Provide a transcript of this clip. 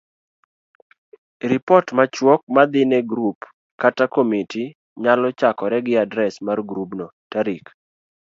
Ripot machuok madhi ne grup kata komiti nyalo chakore gi adres mar grubno, tarik